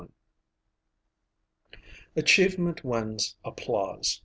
[TN]] Achievement wins applause.